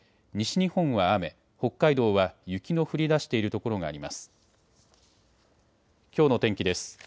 西日本は雨、北海道は雪の降りだしている所があります。